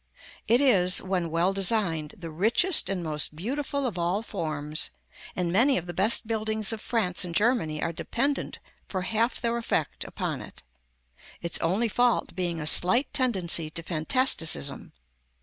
It is, when well designed, the richest and most beautiful of all forms, and many of the best buildings of France and Germany are dependent for half their effect upon it; its only fault being a slight tendency to fantasticism.